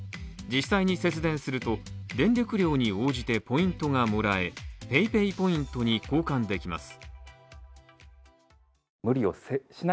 実際に節電すると、電力量に応じてポイントがもらえ、ＰａｙＰａｙポイントに交換できます。